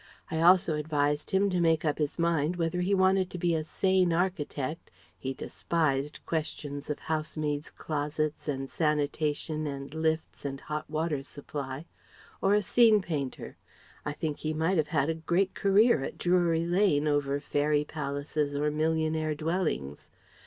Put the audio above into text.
I also advised him to make up his mind whether he wanted to be a sane architect he despised questions of housemaids' closets and sanitation and lifts and hot water supply or a scene painter. I think he might have had a great career at Drury Lane over fairy palaces or millionaire dwellings.